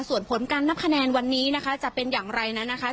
ส่วนผลการนับคะแนนวันนี้ค่ะจะเป็นยังไรนะค่ะ